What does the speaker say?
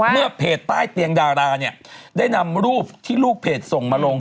เมื่อเพจใต้เตียงดาราเนี่ยได้นำรูปที่ลูกเพจส่งมาลง